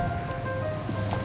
sebentar ya mbak